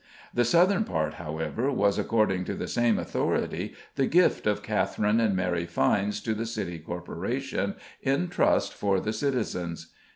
The southern part, however, was, according to the same authority, the gift of Catherine and Mary Fynes to the City Corporation in trust for the citizens.